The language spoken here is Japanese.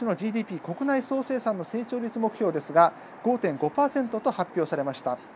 また、今年のＧＤＰ・国内総生産の成長率目標ですが５．５％と発表されました。